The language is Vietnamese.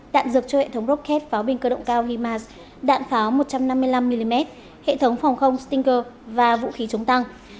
đạn dược cho hệ thống rocket pháo binh cơ động cao himars đạn pháo một trăm năm mươi năm mm hệ thống phòng không stinger và vũ khí chống tăng